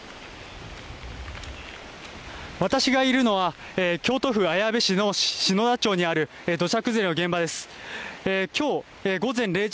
私がいるのは京都府綾部市の篠田町にある土砂崩れの現場です。